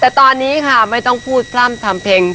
แต่ตอนนี้ค่ะไม่ต้องพูดพร่ำทำเพลง